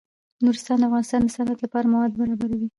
نورستان د افغانستان د صنعت لپاره مواد برابروي.